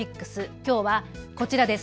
きょうはこちらです。